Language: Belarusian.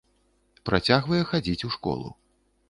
Працягвае хадзіць у школу.